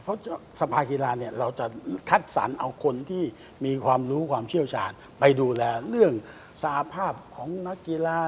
เพราะสภากีฬาเนี่ยเราจะคัดสรรเอาคนที่มีความรู้ความเชี่ยวชาญไปดูแลเรื่องสภาพของนักกีฬา